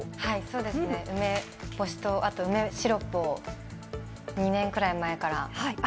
そうですね、梅干と、あと梅シロップを２年くらい前から。